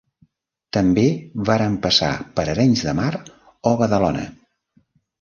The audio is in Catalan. També varen passar per Arenys de Mar, o Badalona.